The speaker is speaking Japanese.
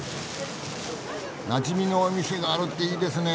なじみのお店があるっていいですね。